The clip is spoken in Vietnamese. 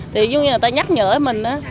thì như người ta nhắc nhở mình á